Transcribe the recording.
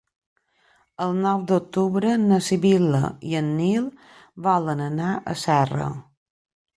El nou d'octubre na Sibil·la i en Nil volen anar a Serra.